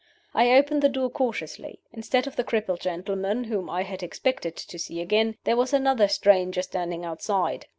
"I opened the door cautiously. Instead of the crippled gentleman, whom I had expected to see again, there was another stranger standing outside.